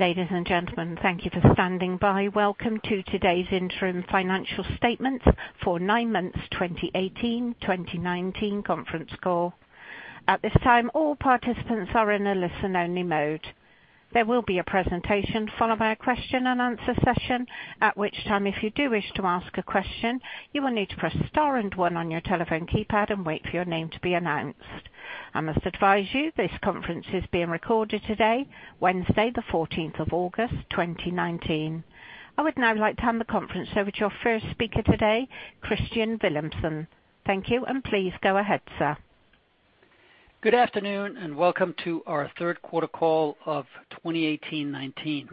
Ladies and gentlemen, thank you for standing by. Welcome to today's interim financial statement for nine months, 2018/2019 conference call. At this time, all participants are in a listen-only mode. There will be a presentation followed by a question-and-answer session, at which time, if you do wish to ask a question, you will need to press star and one on your telephone keypad and wait for your name to be announced. I must advise you, this conference is being recorded today, Wednesday, the August 14, 2019. I would now like to hand the conference over to your first speaker today, Kristian Villumsen. Thank you, and please go ahead, sir. Good afternoon, and welcome to our Q3 call of 2018/2019.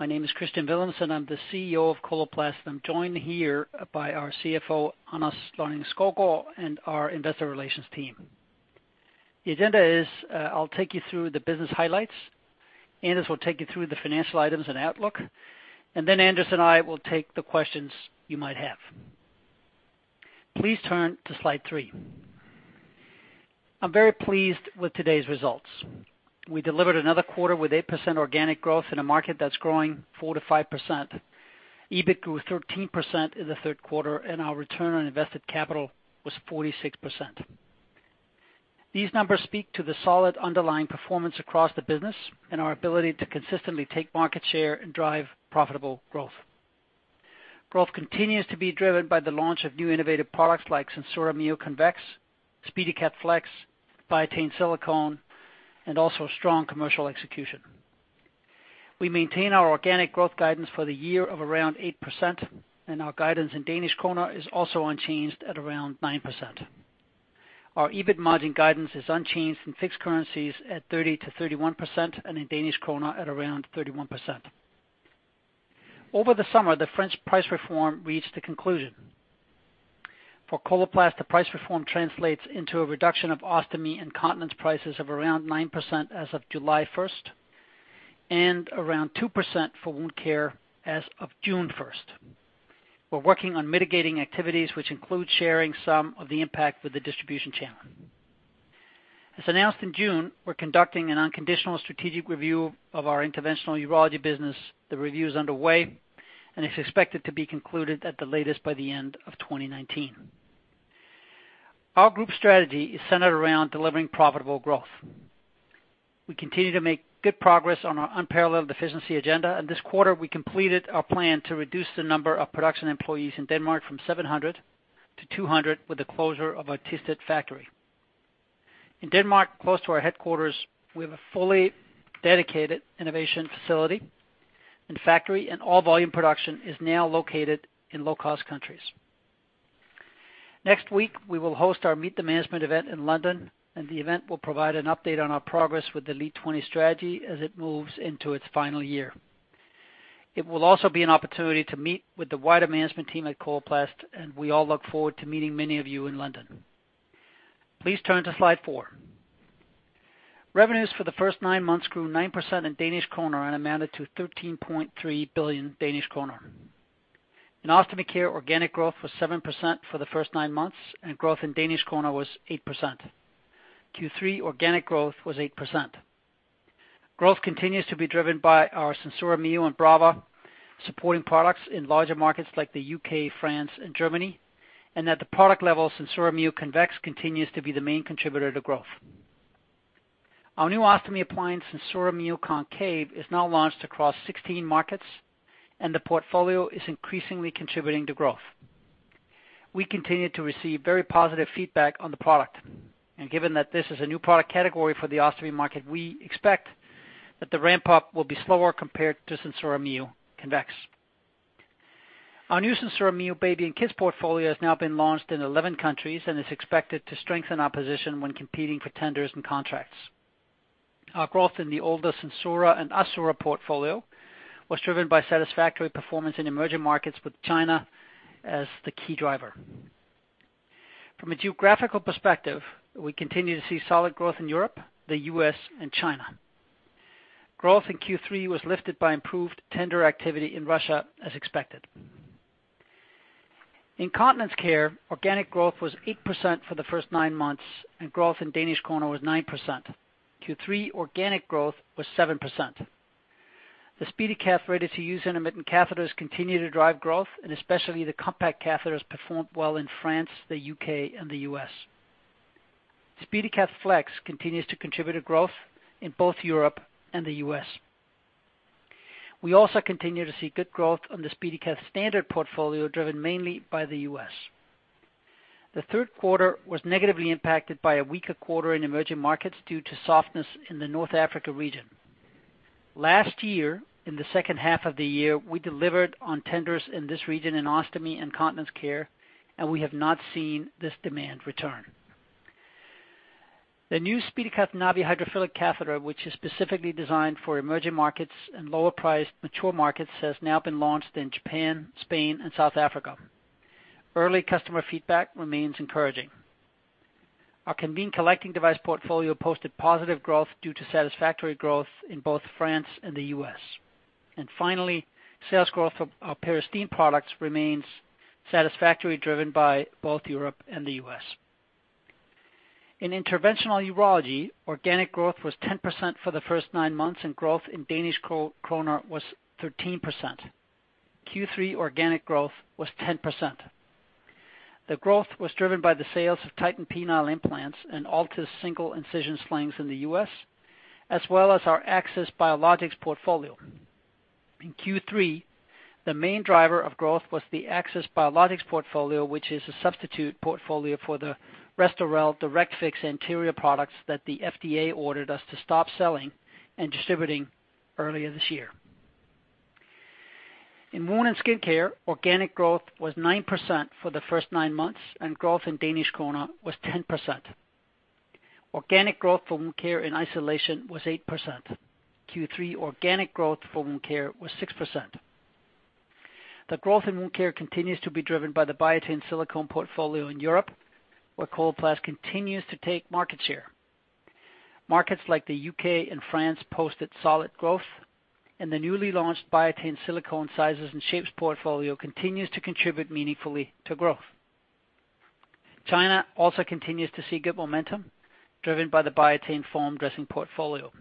My name is Kristian Villumsen, I'm the CEO of Coloplast. I'm joined here by our CFO, Anders Lonning-Skovgaard, and our investor relations team. The agenda is, I'll take you through the business highlights. Anders will take you through the financial items and outlook, and then Anders and I will take the questions you might have. Please turn to slide three. I'm very pleased with today's results. We delivered another quarter with 8% organic growth in a market that's growing 4%-5%. EBIT grew 13% in the Q3. Our return on invested capital was 46%. These numbers speak to the solid underlying performance across the business and our ability to consistently take market share and drive profitable growth. Growth continues to be driven by the launch of new innovative products like SenSura Mio Convex, SpeediCath Flex, Biatain Silicone, and also strong commercial execution. We maintain our organic growth guidance for the year of around 8%, and our guidance in Danish kroner is also unchanged at around 9%. Our EBIT margin guidance is unchanged in fixed currencies at 30%-31% and in Danish kroner at around 31%. Over the summer, the French price reform reached a conclusion. For Coloplast, the price reform translates into a reduction of ostomy and continence prices of around 9% as of July 1, and around 2% for wound care as of June 1. We're working on mitigating activities, which include sharing some of the impact with the distribution channel. As announced in June, we're conducting an unconditional strategic review of our interventional urology business. The review is underway. It's expected to be concluded at the latest by the end of 2019. Our group strategy is centered around delivering profitable growth. We continue to make good progress on our unparalleled efficiency agenda, and this quarter we completed our plan to reduce the number of production employees in Denmark from 700 to 200 with the closure of our Thisted factory. In Denmark, close to our headquarters, we have a fully dedicated innovation facility and factory, and all volume production is now located in low-cost countries. Next week, we will host our Meet the Management event in London, and the event will provide an update on our progress with the LEAD20 strategy as it moves into its final year. It will also be an opportunity to meet with the wider management team at Coloplast, and we all look forward to meeting many of you in London. Please turn to slide four. Revenues for the first nine months grew 9% in Danish kroner and amounted to 13.3 billion Danish kroner. In Ostomy Care, organic growth was 7% for the first nine months, and growth in Danish kroner was 8%. Q3 organic growth was 8%. Growth continues to be driven by our SenSura Mio and Brava supporting products in larger markets like the U.K., France, and Germany, and at the product level, SenSura Mio Convex continues to be the main contributor to growth. Our new ostomy appliance, SenSura Mio Concave, is now launched across 16 markets, and the portfolio is increasingly contributing to growth. We continue to receive very positive feedback on the product. Given that this is a new product category for the ostomy market, we expect that the ramp-up will be slower compared to SenSura Mio Convex. Our new SenSura Mio Baby and Kids portfolio has now been launched in 11 countries and is expected to strengthen our position when competing for tenders and contracts. Our growth in the older SenSura and Assura portfolio was driven by satisfactory performance in emerging markets, with China as the key driver. From a geographical perspective, we continue to see solid growth in Europe, the U.S., and China. Growth in Q3 was lifted by improved tender activity in Russia as expected. In Continence Care, organic growth was 8% for the first nine months, growth in Danish kroner was 9%. Q3 organic growth was 7%. The SpeediCath ready-to-use intermittent catheters continue to drive growth, and especially the compact catheters performed well in France, the U.K., and the U.S. SpeediCath Flex continues to contribute to growth in both Europe and the U.S. We also continue to see good growth on the SpeediCath standard portfolio, driven mainly by the U.S. The Q3 was negatively impacted by a weaker quarter in emerging markets due to softness in the North Africa region. Last year, in the second half of the year, we delivered on tenders in this region in ostomy and continence care, and we have not seen this demand return. The new SpeediCath Navi hydrophilic catheter, which is specifically designed for emerging markets and lower priced mature markets, has now been launched in Japan, Spain, and South Africa. Early customer feedback remains encouraging. Our Conveen collecting device portfolio posted positive growth due to satisfactory growth in both France and the U.S. Finally, sales growth of our Peristeen products remains satisfactory, driven by both Europe and the U.S. In interventional urology, organic growth was 10% for the first nine months, and growth in Danish kroner was 13%. Q3 organic growth was 10%. The growth was driven by the sales of Titan penile implants and Altis single incision slings in the U.S., as well as our Axis Biologics portfolio. In Q3, the main driver of growth was the Axis Biologics portfolio, which is a substitute portfolio for the Restorelle DirectFix anterior products that the FDA ordered us to stop selling and distributing earlier this year. In wound and skin care, organic growth was 9% for the first nine months, and growth in Danish kroner was 10%. Organic growth for wound care in isolation was 8%. Q3 organic growth for wound care was 6%. The growth in wound care continues to be driven by the Biatain Silicone portfolio in Europe, where Coloplast continues to take market share. Markets like the U.K. and France posted solid growth, and the newly launched Biatain Silicone sizes and shapes portfolio continues to contribute meaningfully to growth. China also continues to see good momentum, driven by the Biatain Foam dressing portfolio.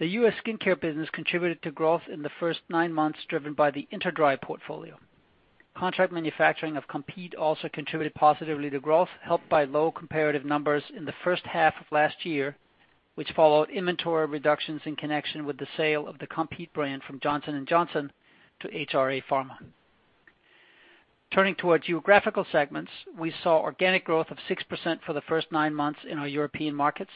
The U.S. skincare business contributed to growth in the first nine months, driven by the InterDry portfolio. Contract manufacturing of Compeed also contributed positively to growth, helped by low comparative numbers in the first half of last year, which followed inventory reductions in connection with the sale of the Compeed brand from Johnson & Johnson to HRA Pharma. Turning to our geographical segments, we saw organic growth of 6% for the first nine months in our European markets.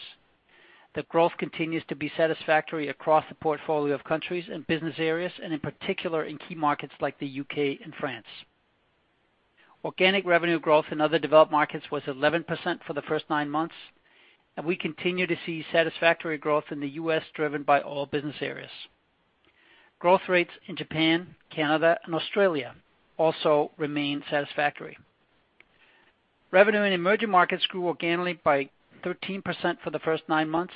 The growth continues to be satisfactory across the portfolio of countries and business areas, and in particular, in key markets like the U.K. and France. Organic revenue growth in other developed markets was 11% for the first nine months. We continue to see satisfactory growth in the U.S., driven by all business areas. Growth rates in Japan, Canada, and Australia also remain satisfactory. Revenue in emerging markets grew organically by 13% for the first nine months.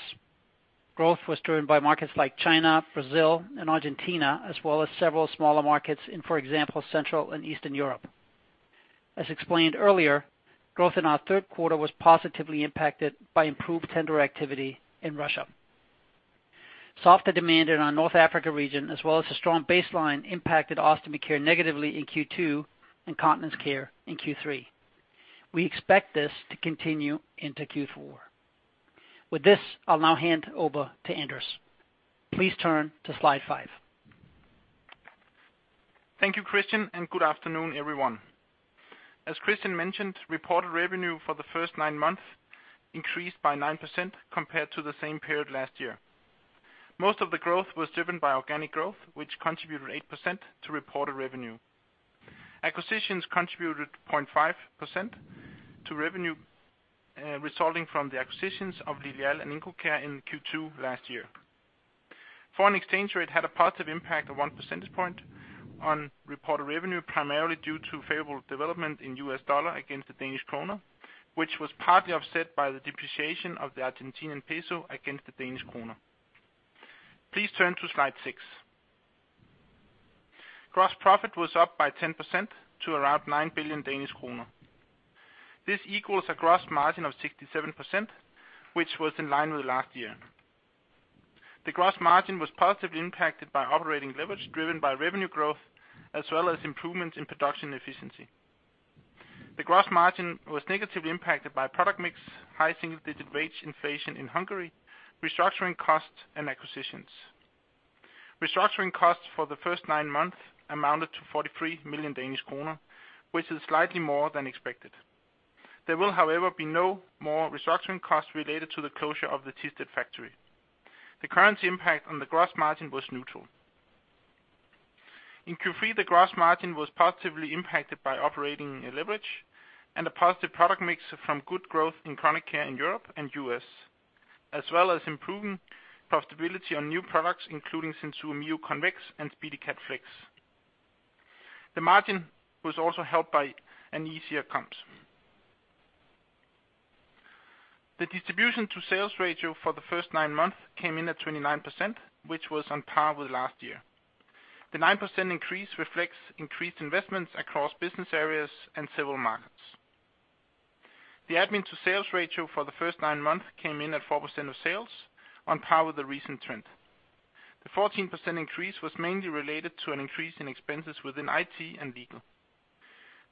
Growth was driven by markets like China, Brazil, and Argentina, as well as several smaller markets in, for example, Central and Eastern Europe. As explained earlier, growth in our Q3 was positively impacted by improved tender activity in Russia. Softer demand in our North Africa region, as well as a strong baseline, impacted ostomy care negatively in Q2 and continence care in Q3. We expect this to continue into Q4. With this, I'll now hand over to Anders. Please turn to slide five. Thank you, Kristian. Good afternoon, everyone. As Kristian mentioned, reported revenue for the first nine months increased by 9% compared to the same period last year. Most of the growth was driven by organic growth, which contributed 8% to reported revenue. Acquisitions contributed 0.5% to revenue, resulting from the acquisitions of Lilial and IncoCare in Q2 last year. Foreign exchange rates had a positive impact of 1 percentage point on reported revenue, primarily due to favorable development in U.S. dollar against the Danish kroner, which was partly offset by the depreciation of the Argentinian peso against the Danish kroner. Please turn to slide six. Gross profit was up by 10% to around 9 billion Danish kroner. This equals a gross margin of 67%, which was in line with last year. The gross margin was positively impacted by operating leverage, driven by revenue growth, as well as improvements in production efficiency. The gross margin was negatively impacted by product mix, high single-digit wage inflation in Hungary, restructuring costs, and acquisitions. Restructuring costs for the first nine months amounted to 43 million Danish kroner, which is slightly more than expected. There will, however, be no more restructuring costs related to the closure of the Thisted factory. The currency impact on the gross margin was neutral. In Q3, the gross margin was positively impacted by operating leverage and a positive product mix from good growth in chronic care in Europe and U.S., as well as improving profitability on new products, including SenSura Mio Convex and SpeediCath Flex. The margin was also helped by an easier comps. The distribution to sales ratio for the first nine months came in at 29%, which was on par with last year. The 9% increase reflects increased investments across business areas and several markets. The admin-to-sales ratio for the first nine months came in at 4% of sales, on par with the recent trend. The 14% increase was mainly related to an increase in expenses within IT and legal.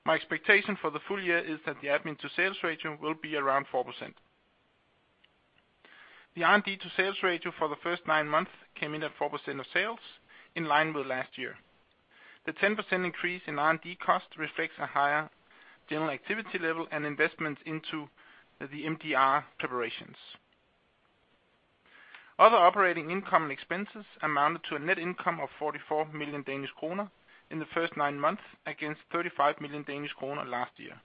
My expectation for the full year is that the admin-to-sales ratio will be around 4%. The R&D to sales ratio for the first nine months came in at 4% of sales, in line with last year. The 10% increase in R&D costs reflects a higher general activity level and investments into the MDR preparations. Other operating income and expenses amounted to a net income of 44 million Danish kroner in the first nine months, against 35 million Danish kroner last year.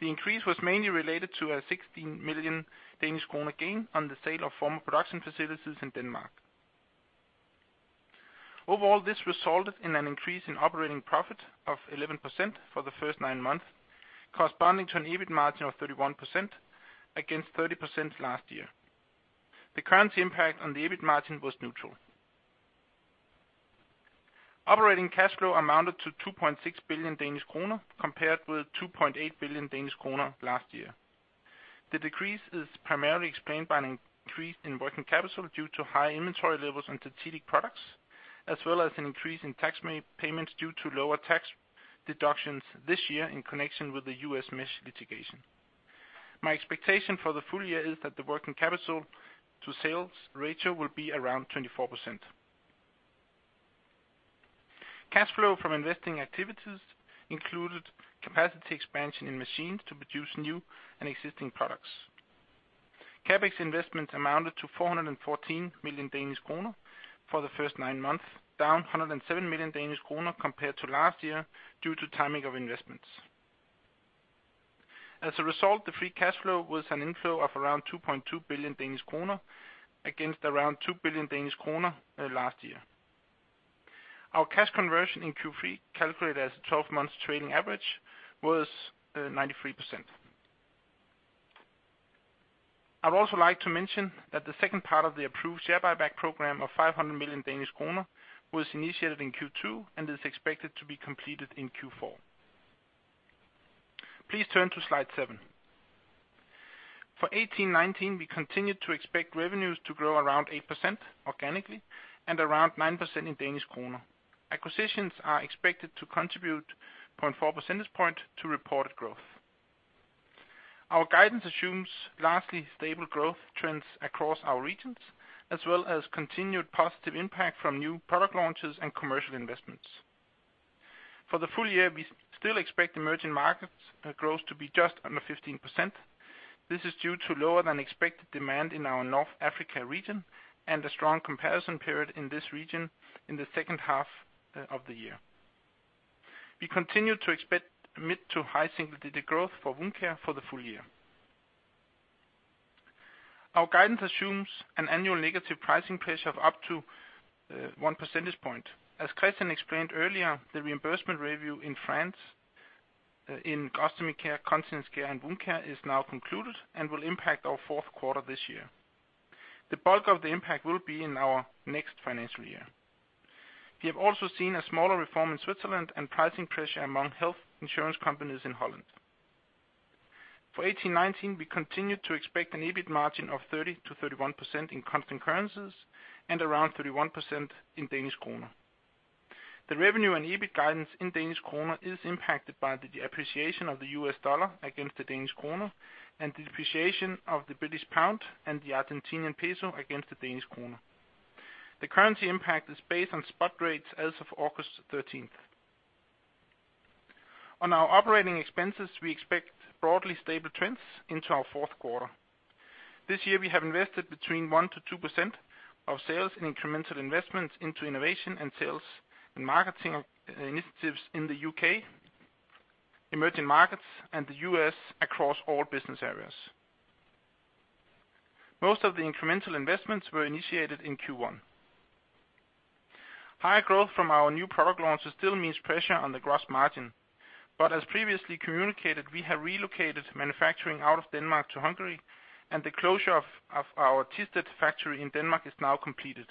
The increase was mainly related to a 16 million Danish kroner gain on the sale of former production facilities in Denmark. Overall, this resulted in an increase in operating profit of 11% for the first nine months, corresponding to an EBIT margin of 31%, against 30% last year. The currency impact on the EBIT margin was neutral. Operating cash flow amounted to 2.6 billion Danish kroner, compared with 2.8 billion Danish kroner last year. The decrease is primarily explained by an increase in working capital due to high inventory levels and strategic products, as well as an increase in tax made payments due to lower tax deductions this year in connection with the U.S. mesh litigation. My expectation for the full year is that the working capital to sales ratio will be around 24%. Cash flow from investing activities included capacity expansion in machines to produce new and existing products. CapEx investments amounted to 414 million Danish kroner for the first nine months, down 107 million Danish kroner compared to last year due to timing of investments. As a result, the free cash flow was an inflow of around 2.2 billion Danish kroner, against around 2 billion Danish kroner last year. Our cash conversion in Q3, calculated as a 12-month trailing average, was 93%. I'd also like to mention that the second part of the approved share buyback program of 500 million Danish kroner was initiated in Q2 and is expected to be completed in Q4. Please turn to slide seven. For 2018-2019, we continued to expect revenues to grow around 8% organically and around 9% in Danish kroner. Acquisitions are expected to contribute 0.4 percentage point to reported growth. Our guidance assumes largely stable growth trends across our regions, as well as continued positive impact from new product launches and commercial investments. For the full year, we still expect emerging markets growth to be just under 15%. This is due to lower than expected demand in our North Africa region and a strong comparison period in this region in the second half of the year. We continue to expect mid-to-high single-digit growth for Wound Care for the full year. Our guidance assumes an annual negative pricing pressure of up to 1 percentage point. As Kristian explained earlier, the reimbursement review in France, in Ostomy Care, Continence Care, and Wound Care is now concluded and will impact our Q4 this year. The bulk of the impact will be in our next financial year. We have also seen a smaller reform in Switzerland and pricing pressure among health insurance companies in Holland. For 2018-2019, we continue to expect an EBIT margin of 30%-31% in constant currencies and around 31% in Danish kroner. The revenue and EBIT guidance in Danish kroner is impacted by the depreciation of the U.S. dollar against the Danish kroner, and the depreciation of the British pound and the Argentinian peso against the Danish kroner. The currency impact is based on spot rates as of August 13. On our operating expenses, we expect broadly stable trends into our Q4. This year, we have invested between 1%-2% of sales in incremental investments into innovation and sales and marketing of initiatives in the U.K., emerging markets, and the U.S. across all business areas. Most of the incremental investments were initiated in Q1. Higher growth from our new product launches still means pressure on the gross margin, but as previously communicated, we have relocated manufacturing out of Denmark to Hungary, and the closure of our Thisted factory in Denmark is now completed.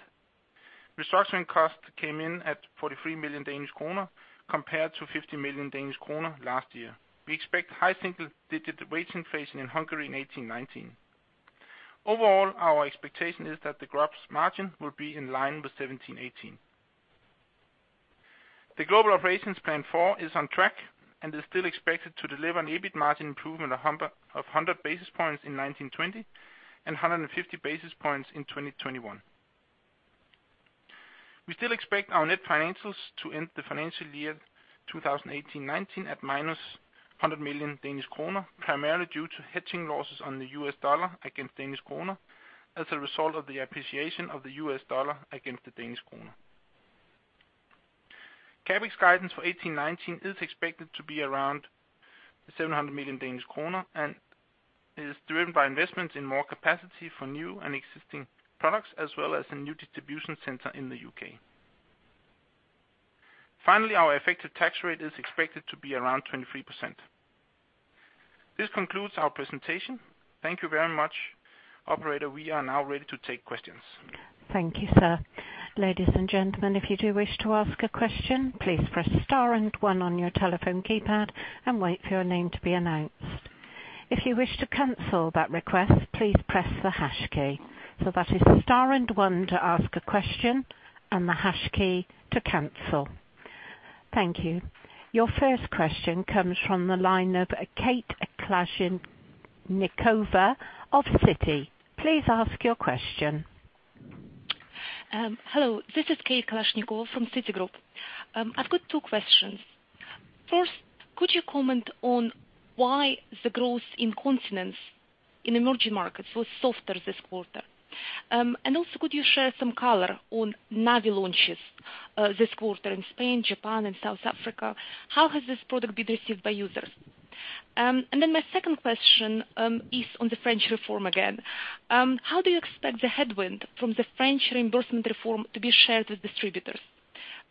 Restructuring costs came in at 43 million Danish kroner, compared to 50 million Danish kroner last year. We expect high single-digit rates increasing in Hungary in 2018-2019. Overall, our expectation is that the gross margin will be in line with 2017-2018. The Global Operations Plan 4 is on track and is still expected to deliver an EBIT margin improvement of 100 basis points in 2020 and 150 basis points in 2021. We still expect our net financials to end the financial year 2018/19 at -100 million Danish kroner, primarily due to hedging losses on the U.S. dollar against Danish kroner as a result of the appreciation of the U.S. dollar against the Danish kroner. CapEx guidance for 2018/19 is expected to be around 700 million Danish kroner, and is driven by investments in more capacity for new and existing products, as well as a new distribution center in the U.K. Our effective tax rate is expected to be around 23%. This concludes our presentation. Thank you very much. Operator, we are now ready to take questions. Thank you, sir. Ladies and gentlemen, if you do wish to ask a question, please press star and one on your telephone keypad and wait for your name to be announced. If you wish to cancel that request, please press the hash key. That is star and one to ask a question and the hash key to cancel. Thank you. Your first question comes from the line of Kate Kalashnikova of Citi. Please ask your question. Hello, this is Kate Kalashnikova from Citigroup. I've got two questions. First, could you comment on why the growth in continence in emerging markets was softer this quarter? Also, could you share some color on Navi launches this quarter in Spain, Japan, and South Africa? How has this product been received by users? Then my second question is on the French reform again. How do you expect the headwind from the French reimbursement reform to be shared with distributors?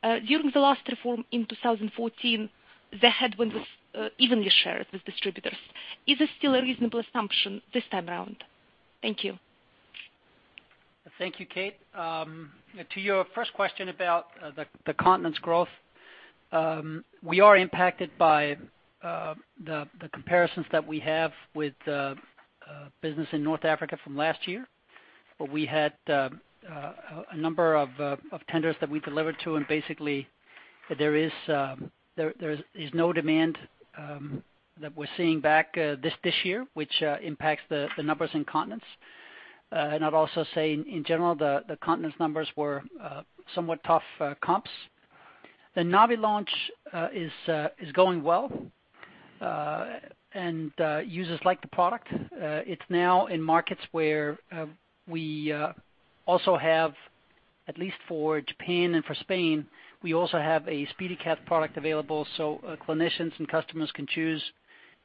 During the last reform in 2014, the headwind was evenly shared with distributors. Is this still a reasonable assumption this time around? Thank you. Thank you, Kate. To your first question about the continence growth, we are impacted by the comparisons that we have with business in North Africa from last year. We had a number of tenders that we delivered to, and basically there is no demand that we're seeing back this year, which impacts the numbers in continence. I'd also say, in general, the continence numbers were somewhat tough comps. The Navi launch is going well, and users like the product. It's now in markets where we also have, at least for Japan and for Spain, we also have a SpeediCath product available. Clinicians and customers can choose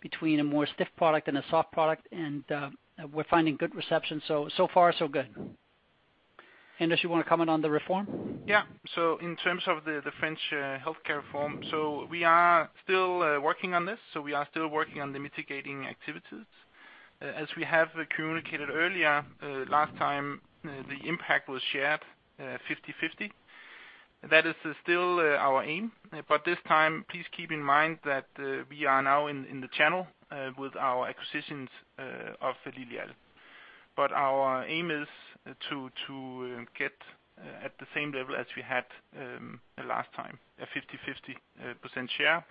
between a more stiff product and a soft product, and we're finding good reception, so far, so good. Anders, you want to comment on the reform? Yeah. In terms of the French healthcare reform, we are still working on this, we are still working on the mitigating activities. As we have communicated earlier, last time, the impact was shared 50/50. That is still our aim, this time, please keep in mind that we are now in the channel with our acquisitions of Lilial. Our aim is to get at the same level as we had last time, a 50/50% share,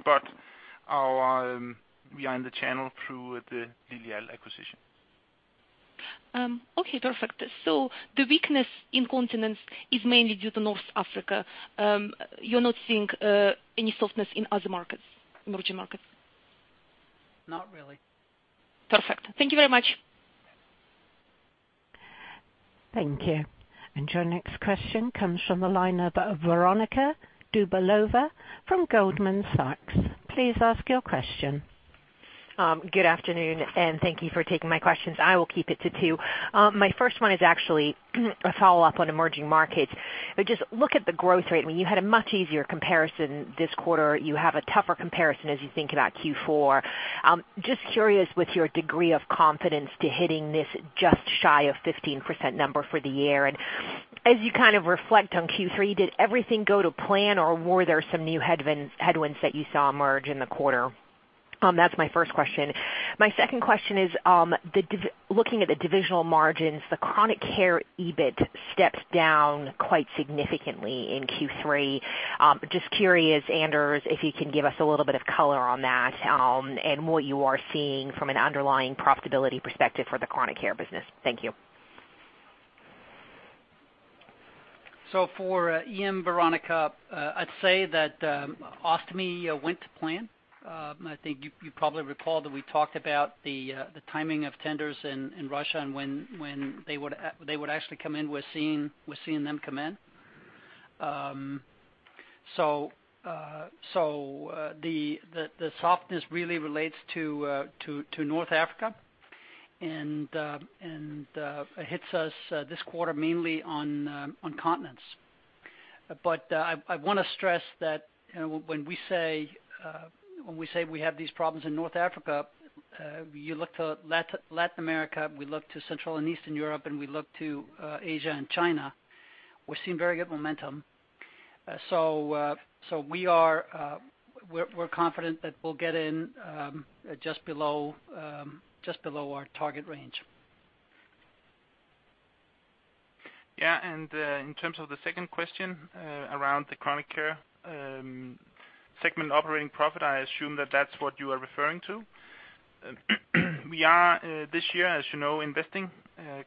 we are in the channel through the Lilial acquisition. Okay, perfect. The weakness in continence is mainly due to North Africa. You're not seeing any softness in other markets, emerging markets? Not really. Perfect. Thank you very much. Thank you. Your next question comes from the line of Veronika Dubajova from Goldman Sachs. Please ask your question. Good afternoon, and thank you for taking my questions. I will keep it to two. My first one is actually, a follow-up on emerging markets. Just look at the growth rate, when you had a much easier comparison this quarter, you have a tougher comparison as you think about Q4. Just curious, with your degree of confidence to hitting this just shy of 15% number for the year, and as you kind of reflect on Q3, did everything go to plan, or were there some new headwinds that you saw emerge in the quarter? That's my first question. My second question is, looking at the divisional margins, the chronic care EBIT stepped down quite significantly in Q3. Just curious, Anders, if you can give us a little bit of color on that, and what you are seeing from an underlying profitability perspective for the chronic care business. Thank you. For EM, Veronica, I'd say that ostomy went to plan. I think you probably recall that we talked about the timing of tenders in Russia and when they would actually come in. We're seeing them come in. The softness really relates to North Africa and hits us this quarter, mainly on continence. I want to stress that when we say we have these problems in North Africa, you look to Latin America, we look to Central and Eastern Europe, and we look to Asia and China, we're seeing very good momentum. We're confident that we'll get in just below our target range. Yeah, in terms of the second question, around the chronic care segment operating profit, I assume that that's what you are referring to. We are this year, as you know, investing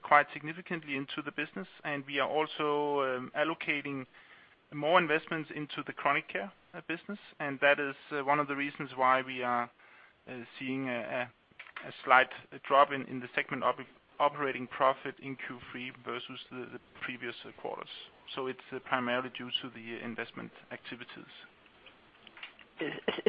quite significantly into the business, and we are also allocating more investments into the chronic care business. That is one of the reasons why we are seeing a slight drop in the segment operating profit in Q3 versus the previous quarters. It's primarily due to the investment activities.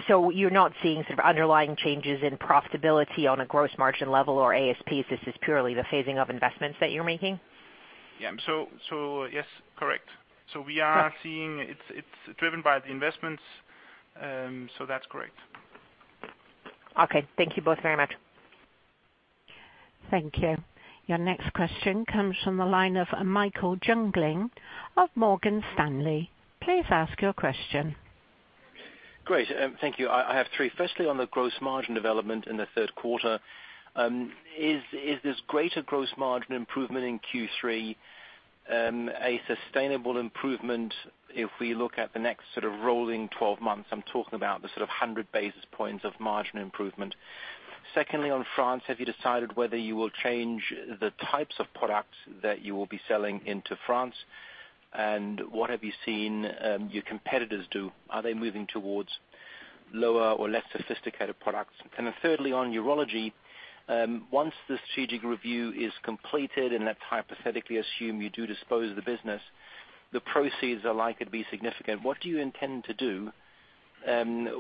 You're not seeing sort of underlying changes in profitability on a gross margin level or ASP? This is purely the phasing of investments that you're making. Yeah. Yes, correct. Okay. We are seeing it's driven by the investments, so that's correct. Okay. Thank you both very much. Thank you. Your next question comes from the line of Michael Jüngling of Morgan Stanley. Please ask your question. Great, thank you. I have three. Firstly, on the gross margin development in the Q3, is this greater gross margin improvement in Q3, a sustainable improvement if we look at the next sort of rolling 12 months? I'm talking about the sort of 100 basis points of margin improvement. Secondly, on France, have you decided whether you will change the types of products that you will be selling into France? What have you seen your competitors do? Are they moving towards lower or less sophisticated products? Thirdly, on urology, once the strategic review is completed, and let's hypothetically assume you do dispose the business, the proceeds are likely to be significant. What do you intend to do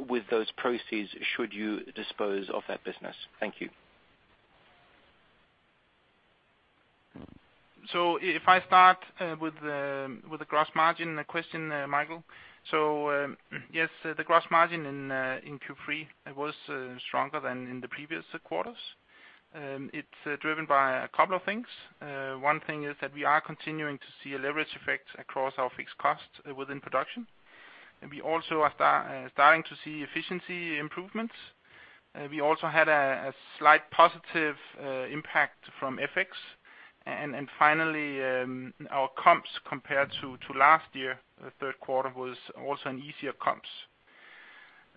with those proceeds, should you dispose of that business? Thank you. If I start with the gross margin question, Michael, yes, the gross margin in Q3, it was stronger than in the previous quarters. It's driven by a couple of things. One thing is that we are continuing to see a leverage effect across our fixed costs within production, and we also are starting to see efficiency improvements. We also had a slight positive impact from FX. Finally, our comps compared to last year, the Q3 was also an easier comps.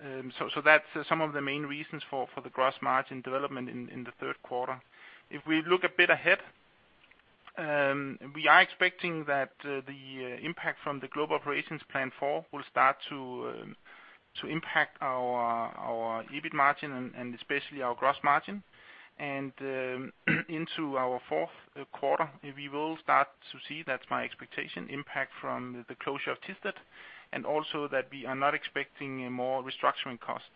That's some of the main reasons for the gross margin development in the Q3. If we look a bit ahead, we are expecting that the impact from the Global Operations Plan 4 will start to impact our EBIT margin and especially our gross margin. Into our Q4, we will start to see, that's my expectation, impact from the closure of Thisted, and also that we are not expecting more restructuring costs.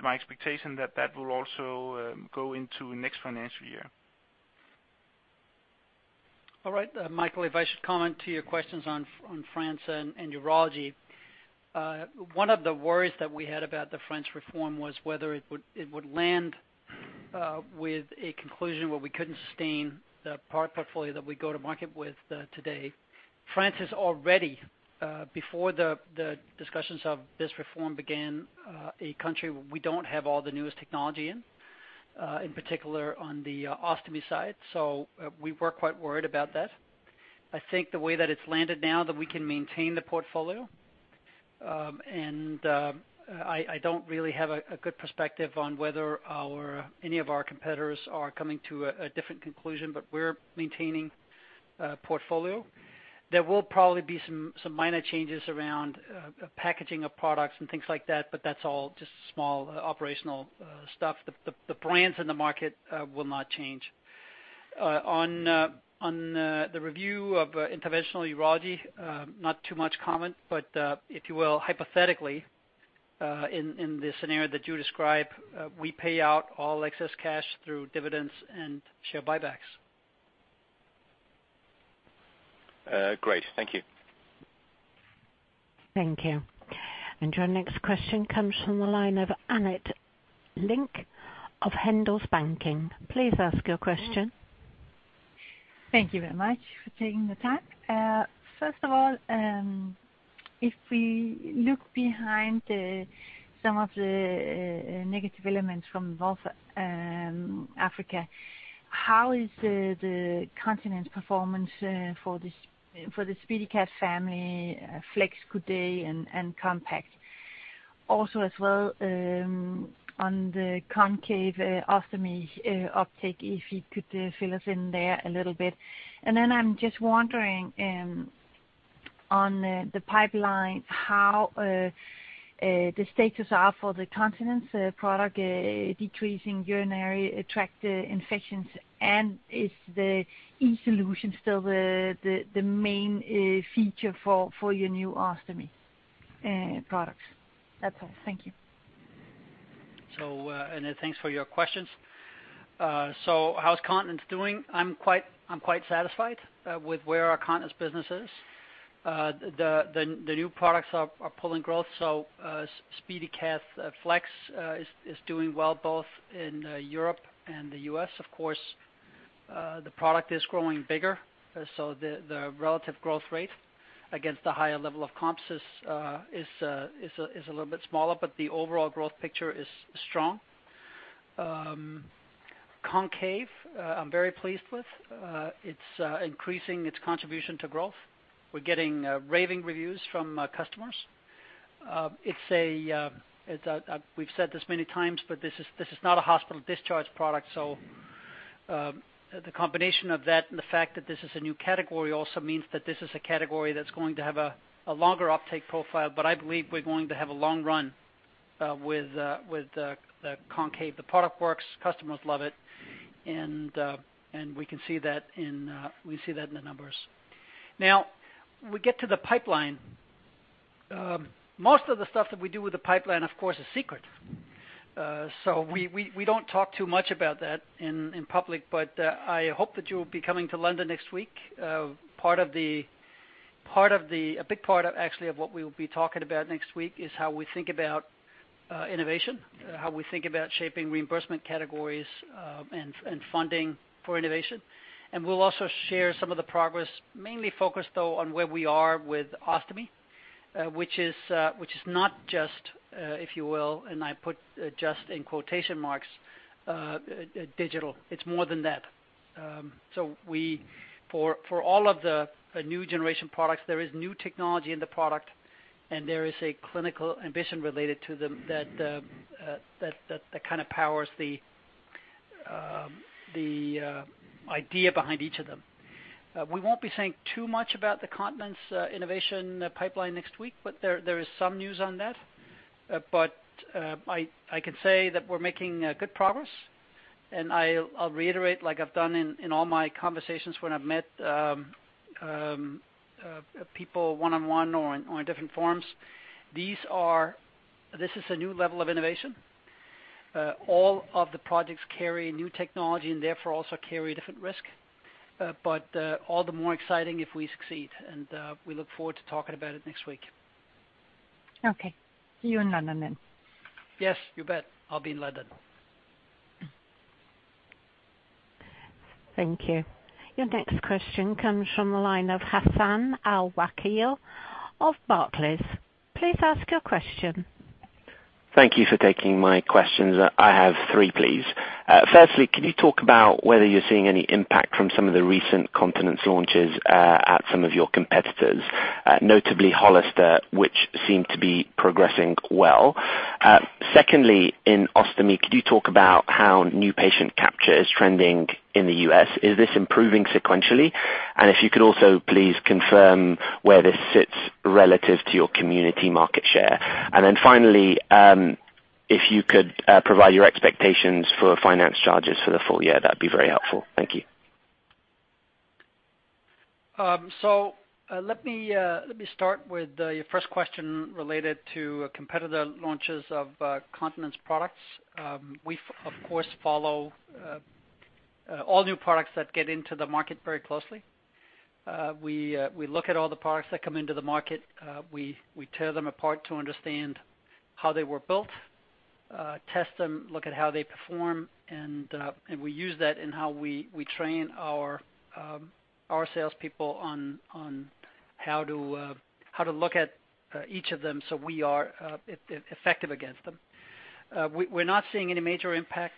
My expectation that that will also go into next financial year. Michael, if I should comment to your questions on France and urology. One of the worries that we had about the French reform was whether it would land with a conclusion where we couldn't sustain the product portfolio that we go to market with today. France is already before the discussions of this reform began, a country where we don't have all the newest technology in particular on the ostomy side, we were quite worried about that. I think the way that it's landed now, that we can maintain the portfolio, and I don't really have a good perspective on whether any of our competitors are coming to a different conclusion, but we're maintaining portfolio. There will probably be some minor changes around packaging of products and things like that, but that's all just small operational stuff. The brands in the market will not change. On the review of interventional urology, not too much comment, but if you will, hypothetically, in the scenario that you describe, we pay out all excess cash through dividends and share buybacks. Great. Thank you. Thank you. Your next question comes from the line of Annette Lykke of Handelsbanken. Please ask your question. Thank you very much for taking the time. First of all, if we look behind the, some of the negative elements from both Africa, how is the continent's performance for this, for the SpeediCath family, Flex Coudé and Compact? Also, as well, on the Concave ostomy uptake, if you could fill us in there a little bit. I'm just wondering on the pipeline, how the status are for the continents product decreasing urinary tract infections, and is the eSolution still the main feature for your new ostomy products? That's all. Thank you. Annette, thanks for your questions. How's Continence doing? I'm quite satisfied with where our Continence business is. The new products are pulling growth, SpeediCath Flex is doing well both in Europe and the U.S. Of course, the product is growing bigger, so the relative growth rate against the higher level of comps is a little bit smaller, but the overall growth picture is strong. Concave, I'm very pleased with. It's increasing its contribution to growth. We're getting raving reviews from our customers. It's a. We've said this many times, but this is not a hospital discharge product, so the combination of that and the fact that this is a new category also means that this is a category that's going to have a longer uptake profile, but I believe we're going to have a long run with the Concave. The product works, customers love it, and we see that in the numbers. Now, we get to the pipeline. Most of the stuff that we do with the pipeline, of course, is secret. We don't talk too much about that in public, but I hope that you'll be coming to London next week. A big part, actually, of what we will be talking about next week is how we think about innovation, how we think about shaping reimbursement categories, and funding for innovation. We'll also share some of the progress, mainly focused, though, on where we are with ostomy, which is not just, if you will, and I put just in quotation marks, digital. It's more than that. For all of the new generation products, there is new technology in the product, and there is a clinical ambition related to them that kind of powers the idea behind each of them. We won't be saying too much about the continents, innovation pipeline next week, but there is some news on that. I can say that we're making good progress, and I'll reiterate, like I've done in all my conversations when I've met people one-on-one or in different forums, this is a new level of innovation. All of the projects carry new technology and therefore also carry a different risk. All the more exciting if we succeed. We look forward to talking about it next week. Okay. See you in London then. Yes, you bet. I'll be in London. Thank you. Your next question comes from the line of Hassan Al-Wakeel of Barclays. Please ask your question. Thank you for taking my questions. I have three, please. Firstly, can you talk about whether you're seeing any impact from some of the recent continence launches at some of your competitors, notably Hollister, which seem to be progressing well? Secondly, in Ostomy, could you talk about how new patient capture is trending in the U.S.? Is this improving sequentially? If you could also please confirm where this sits relative to your community market share. Finally, if you could provide your expectations for finance charges for the full year, that'd be very helpful. Thank you. Let me start with your first question related to competitor launches of continence products. We of course, follow all new products that get into the market very closely. We look at all the products that come into the market, we tear them apart to understand how they were built, test them, look at how they perform, and we use that in how we train our salespeople on how to look at each of them, so we are effective against them. We're not seeing any major impact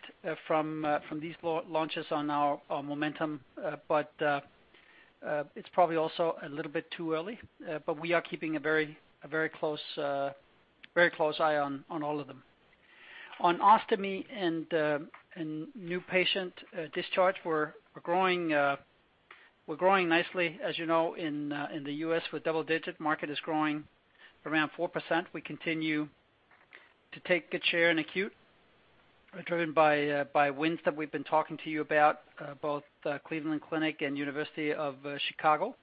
from these launches on our momentum, but it's probably also a little bit too early, but we are keeping a very close eye on all of them. On Ostomy and new patient discharge, we're growing nicely, as you know, in the U.S., with double-digit. Market is growing around 4%. We continue to take good share in acute, driven by winds that we've been talking to you about, both Cleveland Clinic and University of Chicago.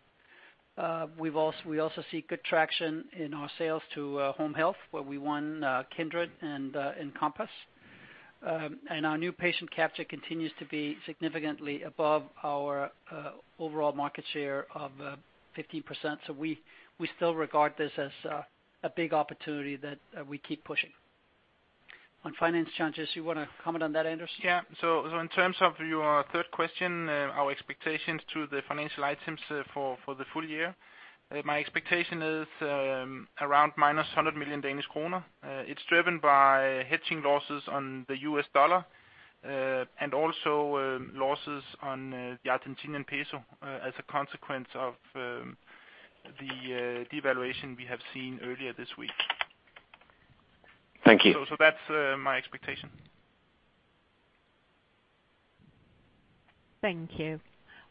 We also see good traction in our sales to home health, where we won Kindred and Encompass. Our new patient capture continues to be significantly above our overall market share of 15%. We still regard this as a big opportunity that we keep pushing. On finance charges, you want to comment on that, Anders? Yeah. In terms of your third question, our expectations to the financial items, for the full year, my expectation is around -100 million Danish kroner. It's driven by hedging losses on the U.S. dollar, and also, losses on the Argentinian peso, as a consequence of the devaluation we have seen earlier this week. Thank you. That's my expectation. Thank you.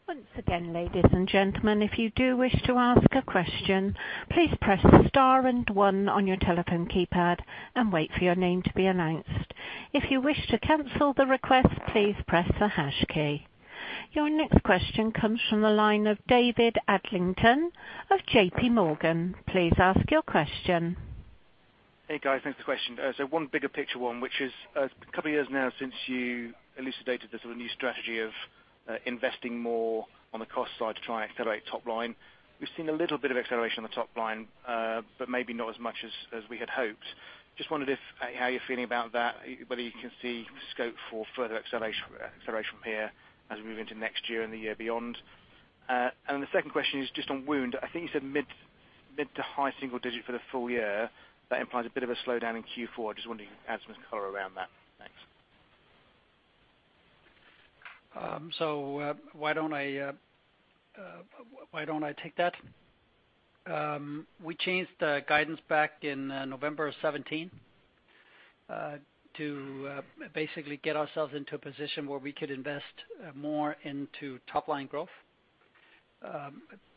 Once again, ladies and gentlemen, if you do wish to ask a question, please press Star and one on your telephone keypad and wait for your name to be announced. If you wish to cancel the request, please press the hash key. Your next question comes from the line of David Adlington of JPMorgan. Please ask your question. Hey, guys. Thanks for the question. One bigger picture, one which is a couple of years now since you elucidated the sort of new strategy of investing more on the cost side to try and accelerate top line. We've seen a little bit of acceleration on the top line, but maybe not as much as we had hoped. Just wondered if how you're feeling about that, whether you can see scope for further acceleration from here as we move into next year and the year beyond? The second question is just on Wound. I think you said mid to high single-digit for the full year. That implies a bit of a slowdown in Q4. I just wondering if you could add some color around that? Thanks. Why don't I take that? We changed the guidance back in November of 2017 to basically get ourselves into a position where we could invest more into top-line growth.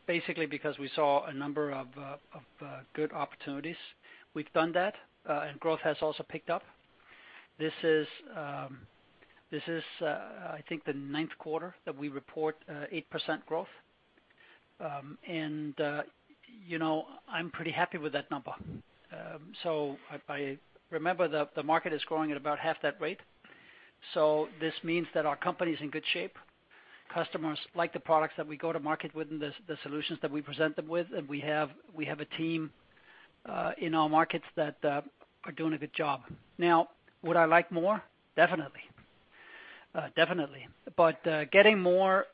Basically, because we saw a number of good opportunities. We've done that, growth has also picked up. This is, I think, the ninth quarter that we report 8% growth. You know, I'm pretty happy with that number. If I remember, the market is growing at about half that rate. This means that our company is in good shape. Customers like the products that we go to market with and the solutions that we present them with, and we have a team in our markets that are doing a good job. Now, would I like more? Definitely. Definitely. But getting more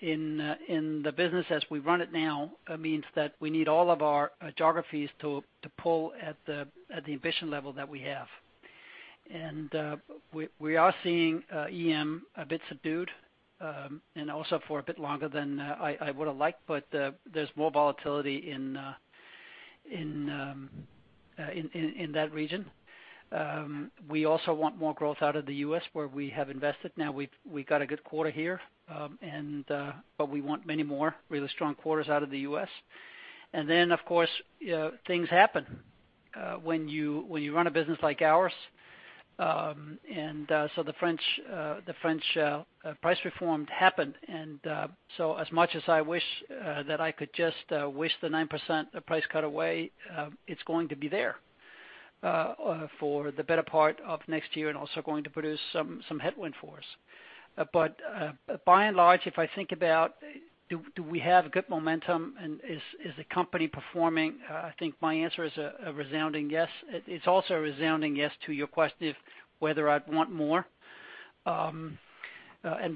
in the business as we run it now, means that we need all of our geographies to pull at the ambition level that we have. And we are seeing EM a bit subdued, and also for a bit longer than I would have liked, but there's more volatility in that region. We also want more growth out of the U.S., where we have invested. We've got a good quarter here. We want many more really strong quarters out of the U.S. Of course, things happen when you run a business like ours. The French price reform happened. As much as I wish that I could just wish the 9% price cut away, it's going to be there for the better part of next year and also going to produce some headwind for us. By and large, if I think about do we have good momentum, and is the company performing? I think my answer is a resounding yes. It's also a resounding yes to your question of whether I'd want more.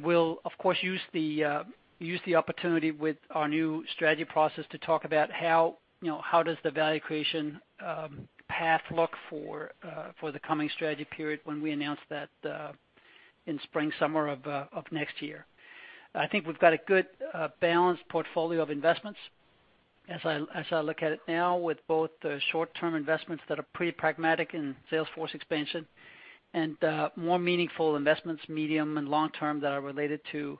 We'll of course use the opportunity with our new strategy process to talk about how, you know, how does the value creation path look for the coming strategy period when we announce that in spring, summer of next year. I think we've got a good balanced portfolio of investments as I look at it now, with both the short-term investments that are pretty pragmatic in sales force expansion and more meaningful investments, medium and long term, that are related to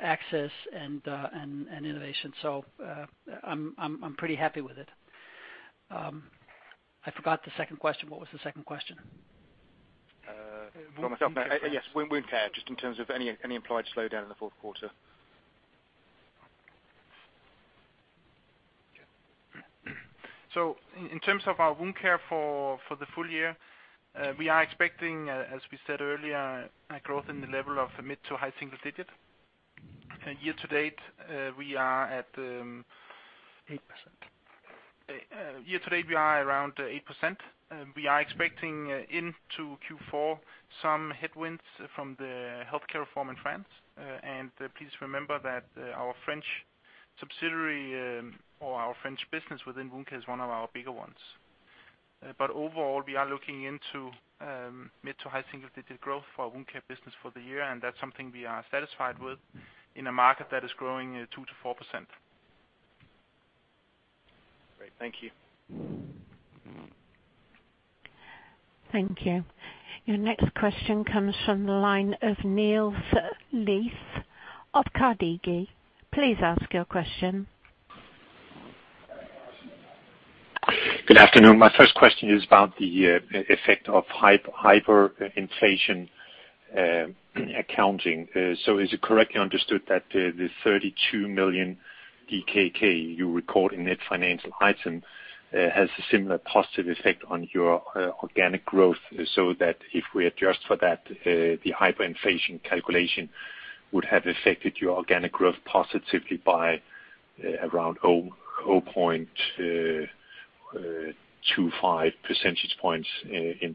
access and innovation. I'm pretty happy with it. I forgot the second question. What was the second question? Yes, wound care, just in terms of any implied slowdown in the fourth quarter. In terms of our wound care for the full year, we are expecting, as we said earlier, a growth in the level of mid to high single digit. Year-to-date, we are at. 8%. Year-to-date, we are around 8%. We are expecting into Q4 some headwinds from the healthcare reform in France. Please remember that our French subsidiary, or our French business within wound care is one of our bigger ones. Overall, we are looking into mid to high single digit growth for our wound care business for the year, and that's something we are satisfied with in a market that is growing 2%-4%. Great. Thank you. Thank you. Your next question comes from the line of Niels Leth of Carnegie. Please ask your question. Good afternoon. My first question is about the effect of hyperinflation accounting. Is it correctly understood that the 32 million DKK you record in net financial items has a similar positive effect on your organic growth, so that if we adjust for that, the hyperinflation calculation would have affected your organic growth positively by around 0.25 percentage points in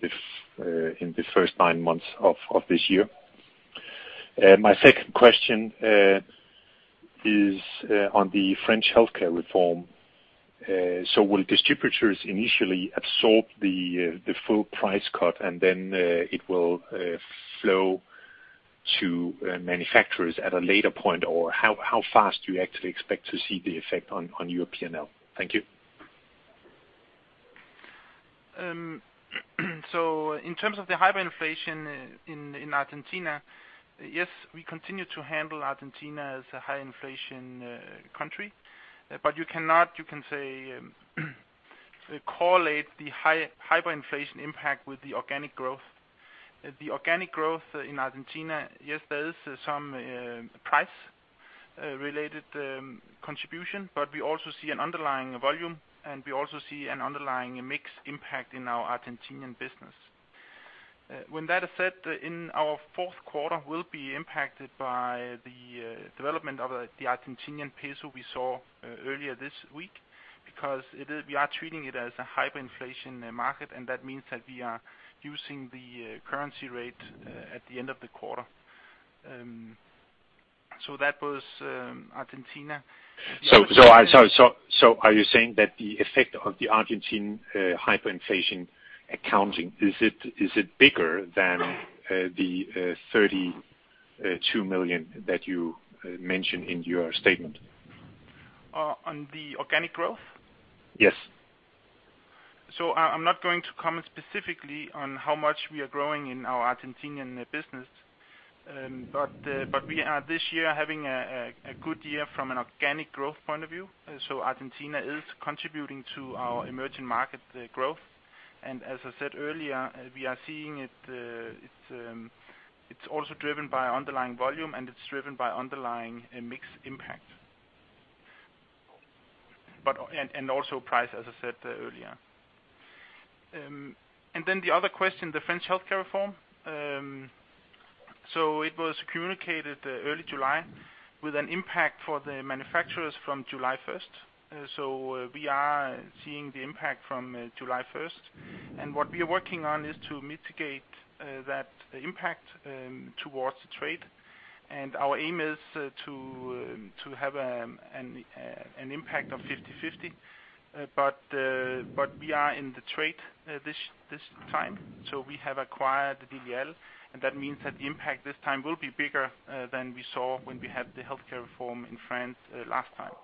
the first nine months of this year? My second question is on the French healthcare reform. Will distributors initially absorb the full price cut, and then it will flow to manufacturers at a later point? Or how fast do you actually expect to see the effect on your P&L? Thank you. In terms of the hyperinflation in Argentina, yes, we continue to handle Argentina as a high inflation country. You cannot, you can say, correlate the hyperinflation impact with the organic growth. The organic growth in Argentina, yes, there is some price related contribution, but we also see an underlying volume, and we also see an underlying mix impact in our Argentinian business. When that is said, in our fourth quarter, we will be impacted by the development of the Argentinian peso we saw earlier this week, because we are treating it as a hyperinflation market, and that means that we are using the currency rate at the end of the quarter. That was Argentina. Are you saying that the effect of the Argentine hyperinflation accounting, is it bigger than the 32 million that you mentioned in your statement? On the organic growth? Yes. I'm not going to comment specifically on how much we are growing in our Argentinian business. We are this year having a good year from an organic growth point of view. Argentina is contributing to our emerging market growth. As I said earlier, we are seeing it's also driven by underlying volume, and it's driven by underlying mix impact. Also price, as I said earlier. The other question, the French healthcare reform. It was communicated early July with an impact for the manufacturers from July 1. We are seeing the impact from July 1. What we are working on is to mitigate that impact towards the trade. Our aim is to have an impact of 50/50. We are in the trade, this time, so we have acquired DVL, and that means that the impact this time will be bigger, than we saw when we had the healthcare reform in France, last time.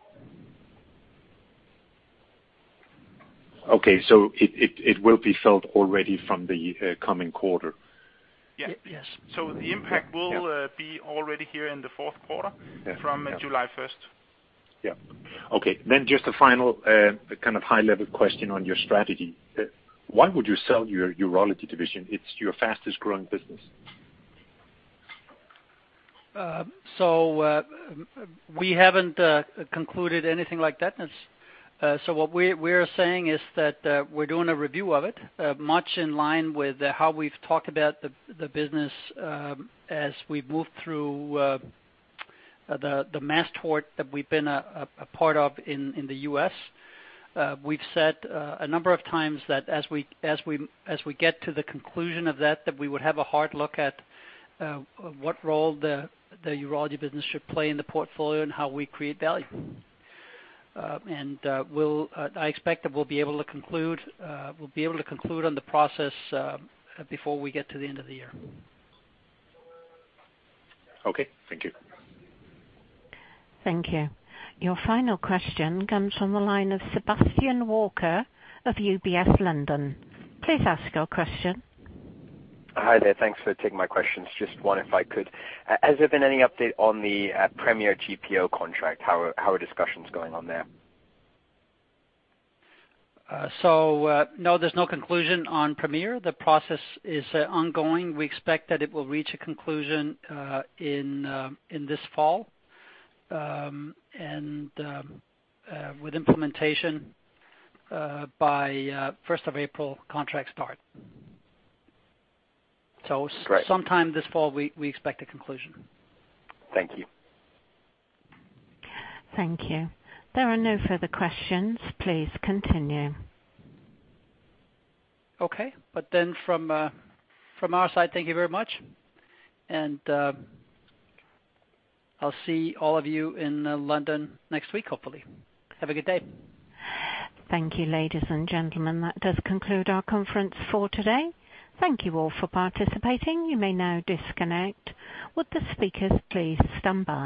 Okay, it will be felt already from the coming quarter? Yeah. Yes. The impact will be already here in the fourth quarter. Yeah. from July 1. Yeah. Okay. Just a final, kind of high-level question on your strategy. Why would you sell your urology division? It's your fastest growing business. We haven't concluded anything like that. What we're saying is that we're doing a review of it, much in line with how we've talked about the business as we move through the mass tort that we've been a part of in the U.S. We've said a number of times that as we get to the conclusion of that we would have a hard look at what role the urology business should play in the portfolio and how we create value. We'll, I expect that we'll be able to conclude, we'll be able to conclude on the process before we get to the end of the year. Okay. Thank you. Thank you. Your final question comes from the line of Sebastian Walker of UBS, London. Please ask your question. Hi there. Thanks for taking my questions. Just one, if I could. Has there been any update on the Premier GPO contract? How are discussions going on there? No, there's no conclusion on Premier. The process is ongoing. We expect that it will reach a conclusion in this fall. With implementation by first of April, contract start. Great. Sometime this fall, we expect a conclusion. Thank you. Thank you. There are no further questions. Please continue. Okay. From our side, thank you very much. I'll see all of you in London next week, hopefully. Have a good day. Thank you, ladies and gentlemen. That does conclude our conference for today. Thank you all for participating. You may now disconnect. Would the speakers please stand by?